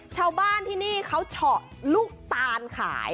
ชาวบ้านที่นี่เขาเฉาะลูกตาลขาย